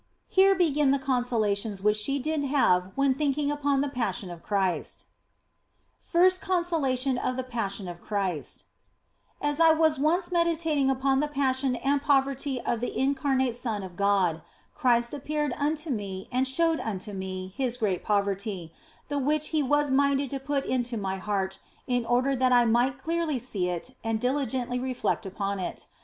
HERE BEGIN THE CONSOLATIONS WHICH SHE DID HAVE WHEN THINKING UPON THE PASSION OF CHRIST FIRST CONSOLATION OF THE PASSION OF CHRIST As I was once meditating upon the Passion and poverty of the incarnate Son of God, Christ appeared unto me and showed unto me His great poverty, the which He was minded to put into my heart in order that I might clearly see it and diligently reflect upon it.